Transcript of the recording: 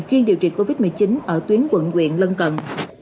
chuyên điều trị covid một mươi chín ở tuyến quận huyện lân cần